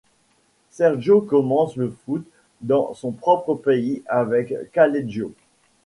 Sergio commence le foot dans son propre pays avec Calegio.